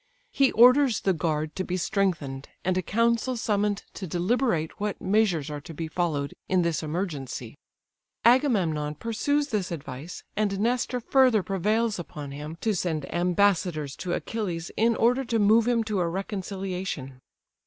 He orders the guard to be strengthened, and a council summoned to deliberate what measures are to be followed in this emergency. Agamemnon pursues this advice, and Nestor further prevails upon him to send ambassadors to Achilles, in order to move him to a reconciliation.